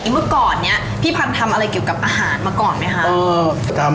เมื่อก่อนนี้พี่พันธุ์ทำอะไรเกี่ยวกับอาหารมาก่อนไหมคะ